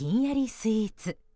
スイーツ。